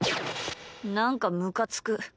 なんかムカつく。